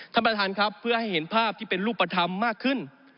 ท่านประธานครับเพื่อให้เห็นภาพที่เป็นรูปธรรมมากขึ้น